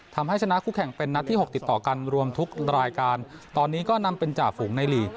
ทำให้ชนะคู่แข่งเป็นนัดที่หกติดต่อกันรวมทุกรายการตอนนี้ก็นำเป็นจ่าฝูงในลีก